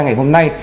ngày hôm nay